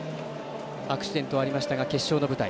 アクシデントはありましたが決勝の舞台。